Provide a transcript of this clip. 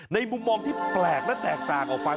มุมมองที่แปลกและแตกต่างออกไป